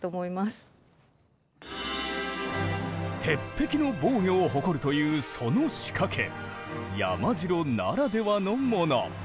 鉄壁の防御を誇るというその仕掛け山城ならではのもの。